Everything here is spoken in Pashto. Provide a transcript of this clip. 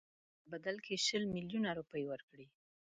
په بدل کې شل میلیونه روپۍ ورکړي.